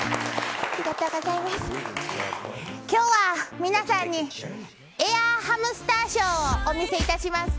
今日は皆さんにエアハムスターショーをお見せいたします。